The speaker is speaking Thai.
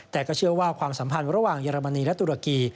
แต่ก็เชื่อว่าความสัมพันธ์ระหว่างเยอรมนีและตุรกี